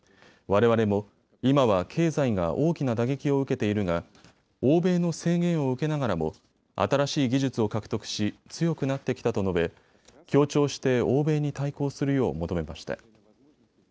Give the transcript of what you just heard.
われわれも今は経済が大きな打撃を受けているが欧米の制限を受けながらも新しい技術を獲得し強くなってきたと述べ、協調して欧米に対抗するよう求めました。